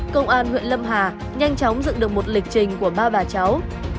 công an huyện lâm hà nhanh chóng dựng được một lịch trình của ba bà cháu